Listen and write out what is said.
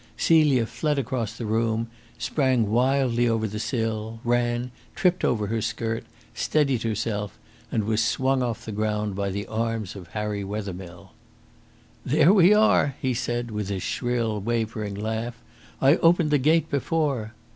Celia fled across the room, sprang wildly over the sill, ran, tripped over her skirt, steadied herself, and was swung off the ground by the arms of Harry Wethermill. "There we are," he said, with his shrill, wavering laugh. "I opened the gate before."